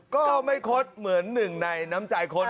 ก็ไม่คดเหมือนหนึ่งในน้ำใจคน